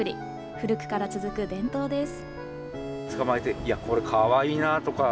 古くから続く伝統です。